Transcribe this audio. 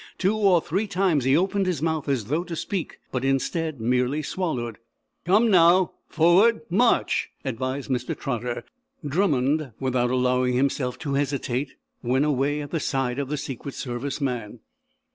Two or three times he opened his mouth as though to speak, but, instead, merely swallowed. "Come, now forward march" advised Mr. Trotter. Drummond, without allowing himself to hesitate, went away at the side of the Secret Service man.